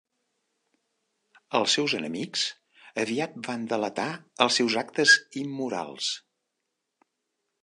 Els seus enemics aviat van delatar els seus actes immorals.